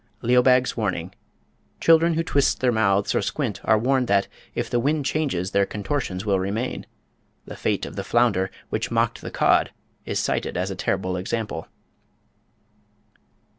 Ledbag's Warning. Children who twist their mouths, or squint, are warned that, if the wind changes, their contortions will remain. The fate of the flounder, which mocked the cod, is cited as a terrible example.